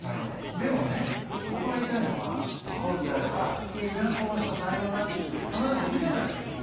でもねぼくが言いたいのはスポーツであれば「いいなこの人才能があって」って必ずいるじゃないですか。